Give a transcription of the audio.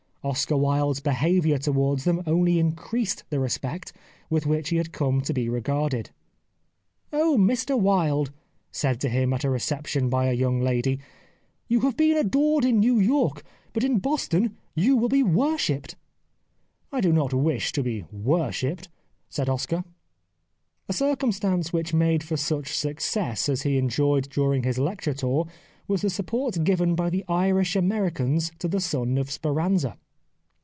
Oscar Wilde's behaviour towards them only increased the respect with which he had come to be re garded. '* Oh, Mr Wilde," said to him at a reception by a young lady, " you have been adored in New York, but in Boston you will be wor shipped." " But I do not wish to be worshipped," said Oscar. A circumstance which made for such success as he enjoyed during his lecture tour was the support given by the Irish Americans to the son of Speranza.